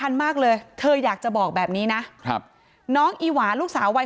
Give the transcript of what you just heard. ทั้งครูก็มีค่าแรงรวมกันเดือนละประมาณ๗๐๐๐กว่าบาท